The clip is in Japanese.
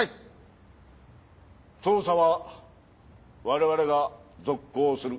捜査は我々が続行する。